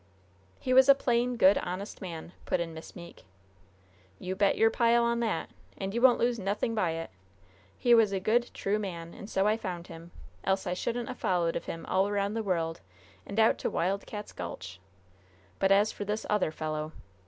"He was a plain, good, honest man," put in Miss Meeke. "You bet your pile on that! And you won't lose nothing by it! He was a good, true man, and so I found him, else I shouldn't a followed of him all round the world, and out to Wild Cats' Gulch! But as for this other fellow!